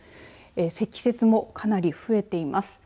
積雪もかなり増えています。